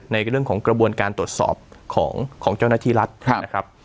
ในเรื่องของกระบวนการตรวจสอบของเจ้าหน้าที่รัฐนะครับ